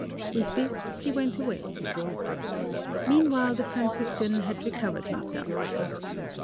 With this he went away. Meanwhile the Franciscan had recovered himself.